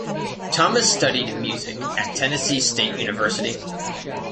Thomas studied music at Tennessee State University.